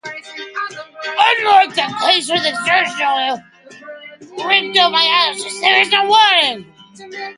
Unlike the case with exertional rhabdomyolisys, there is no warning.